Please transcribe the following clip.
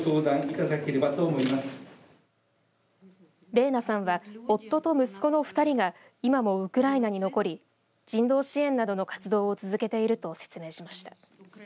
レーナさんは、夫と息子の２人が今もウクライナに残り人道支援などの活動を続けていると説明しました。